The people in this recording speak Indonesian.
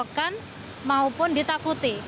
ditafalkan maupun ditakuti